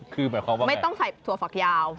คือหมายความว่าไม่ต้องใส่ถั่วฝักยาว